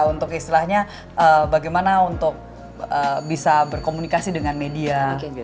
untuk istilahnya bagaimana untuk bisa berkomunikasi dengan media